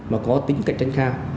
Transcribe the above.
mà có tính cạnh tranh khác